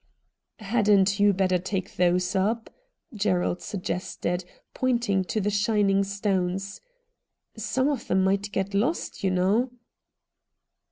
' Hadn't you better take those up ?' Gerald suggested, pointing to the shining stones. * Some of them might get lost, you know.'